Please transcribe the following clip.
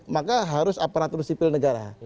maka harus aparatur sipil negara